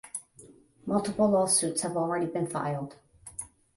Multiple lawsuits have already been filed.